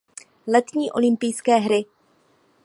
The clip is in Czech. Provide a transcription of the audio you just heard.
Letní olympijské hry.